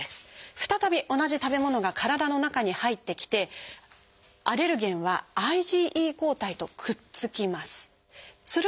再び同じ食べ物が体の中に入ってきてアレルゲンはＩｇＥ抗体とくっつきます。